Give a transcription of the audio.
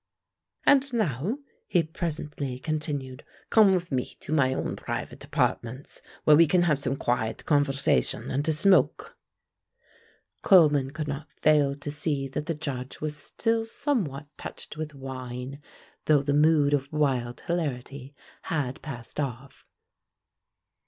"And now," he presently continued, "come with me to my own private apartments, where we can have some quiet conversation and a smoke." Coleman could not fail to see that the Judge was still somewhat touched with wine, though the mood of wild hilarity had passed off.